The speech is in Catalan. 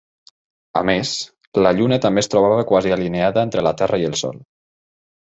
A més, la Lluna també es trobava quasi alineada entre la Terra i el Sol.